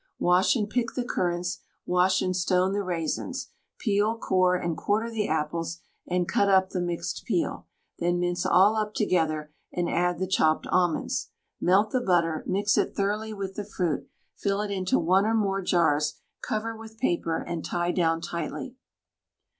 Wash and pick the currants, wash and stone the raisins, peel, core, and quarter the apples, and cut up the mixed peel; then mince all up together, and add the chopped almonds. Melt the butter, mix it thoroughly with the fruit, fill it into one or more jars, cover with paper, and tie down tightly.